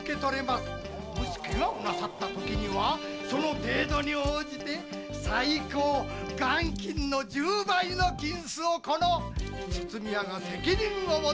もし怪我をしたときにはその程度に応じて最高元金の十倍の金子をこの筒見屋が責任を持ってお支払いします！